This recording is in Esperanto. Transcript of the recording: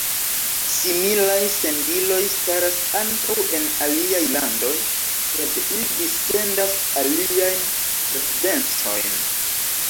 Similaj sendiloj staras ankaŭ en aliaj landoj, sed ili dissendas aliajn frekvencojn.